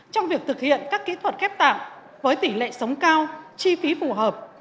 trong việc thực hiện các kỹ thuật ghép tạng với tỷ lệ sống cao chi phí phù hợp